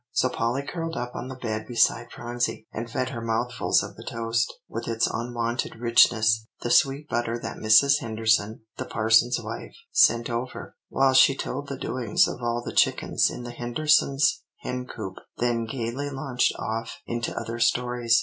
So Polly curled up on the bed beside Phronsie, and fed her mouthfuls of the toast, with its unwonted richness the sweet butter that Mrs. Henderson, the parson's wife, sent over while she told the doings of all the chickens in the Hendersons' hen coop; then gayly launched off into other stories.